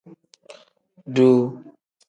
Duuu.